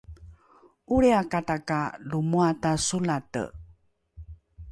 ’olriakata ka lo moata solate